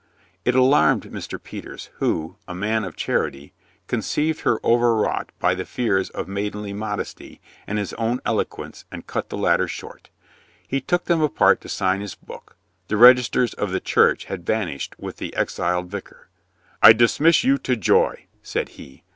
It alarmed Mr. Peters, who, a man of chanty, conceived her overwrought by the fears of maidenly modesty and his own eloquence and cut the latter short. He took them apart to sign his book (the registers of the church had vanished with the ex iled vicar). "I dismiss you to joy," said he.